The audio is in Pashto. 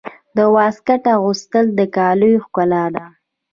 د واسکټ اغوستل د کالیو ښکلا ده.